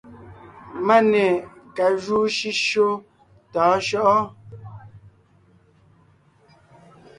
Máne ka júu shʉ́shyó tɔ̌ɔn shyɔ́ʼɔ ?